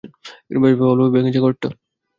বেশ ভালোভাবেই ভেঙেছে ঘরটা!